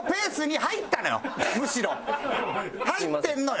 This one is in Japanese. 入ってんのよ。